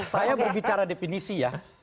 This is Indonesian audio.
saya berbicara definisi ya